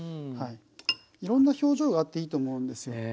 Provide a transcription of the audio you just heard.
いろんな表情があっていいと思うんです。